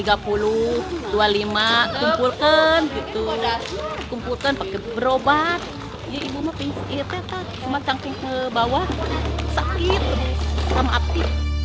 ya ibu mah pingin iya teh kan cuma cangking ke bawah sakit sama api